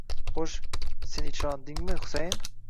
Xo'sh, sen ishondingmi, Husayn?